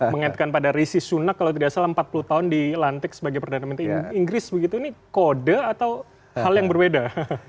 mengaitkan pada risi sunak kalau tidak salah empat puluh tahun dilantik sebagai perdana menteri inggris begitu ini kode atau hal yang berbeda